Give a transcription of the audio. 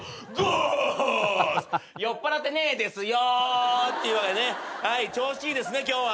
酔っぱらってねえですよ！っていうわけでね調子いいですね今日は。